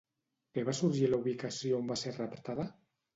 Què va sorgir a la ubicació on va ser raptada?